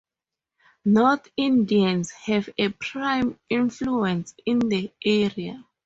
North Indians have a prime influence in the area.